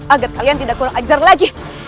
agar kalian tidak kurang ajar lagi